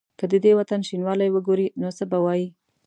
که د دې وطن شینوالی وګوري نو څه به وايي؟